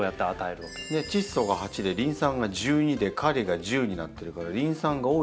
チッ素が８でリン酸が１２でカリが１０になってるからリン酸が多い肥料